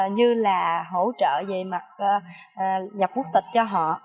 như là hỗ trợ về mặt nhập quốc tịch cho họ